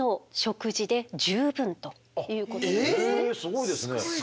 すごいですね。